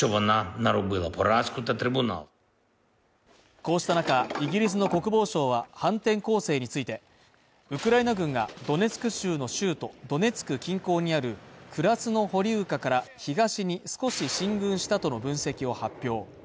こうした中、イギリスの国防省は反転攻勢についてウクライナ軍がドネツク州の州都ドネツク近郊にあるクラスノホリウカから東に少し進軍したとの分析を発表。